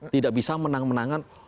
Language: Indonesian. tidak bisa menang menangan